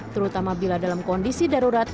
terutama bila dalam kondisi darurat